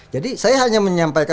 jadi saya hanya menyampaikan